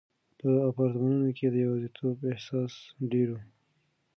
په اپارتمانونو کې د یوازیتوب احساس ډېر و.